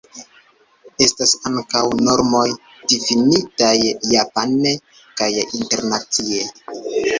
Estas ankaŭ normoj difinitaj japane kaj internacie.